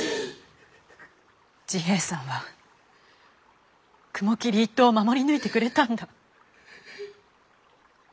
治平さんは雲霧一党を守り抜いてくれたんだ。